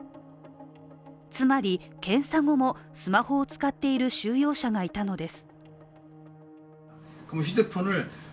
つまり検査後もスマホを使っている収容者がいたのです。